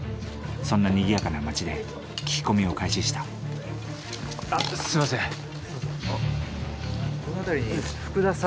そんなにぎやかな町で聞き込みを開始したあっすみません。